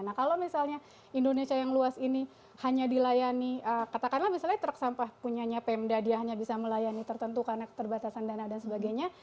nah kalau misalnya indonesia yang luas ini hanya dilayani katakanlah misalnya truk sampah punyanya pemda dia hanya bisa melayani tertentu karena keterbatasan dana dan sebagainya